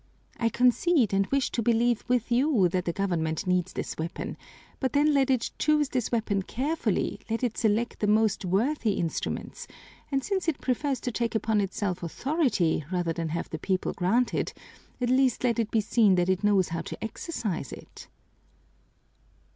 I concede and wish to believe with you that the government needs this weapon, but then let it choose this weapon carefully, let it select the most worthy instruments, and since it prefers to take upon itself authority, rather than have the people grant it, at least let it be seen that it knows how to exercise it."